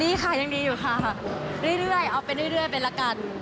ดีค่ะยังดีอยู่ค่ะเรื่อยเอาไปเรื่อยไปละกัน